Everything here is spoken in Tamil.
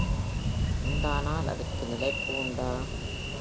உண்டானால் அதற்கு நிலைப்பு உண்டா?